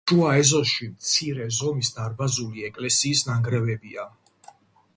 შუა ეზოში მცირე ზომის დარბაზული ეკლესიის ნანგრევებია.